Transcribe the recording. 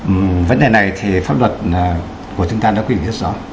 vấn đề này thì pháp luật của chúng ta đã quy định rất rõ